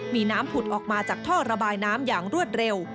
มีน้ำผุดออกมาจากท่อระบายน้ำอย่างรวดเร็ว